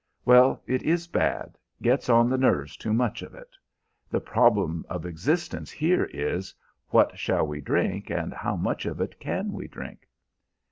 Well, it is bad; gets on the nerves, too much of it. The problem of existence here is, What shall we drink, and how much of it can we drink?"